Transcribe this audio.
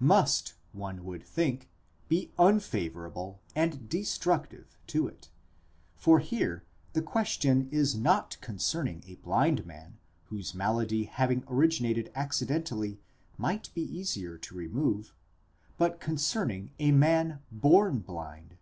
must, one would think, be unfavourable and destructive to it; for here the question is not concerning a blind man, whose malady having originated acci dentally, might be easier to remove, but concerning aman born blind.